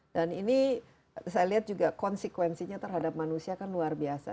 dan ini saya lihat juga konsekuensinya terhadap manusia kan luar biasa